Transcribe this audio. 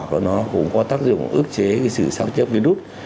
hiệu quả của nó cũng có tác dụng ức chế cái sự sạp chấp virus